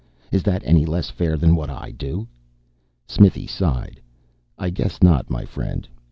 Is that any less fair than what I do?" Smithy sighed. "I guess not, my friend.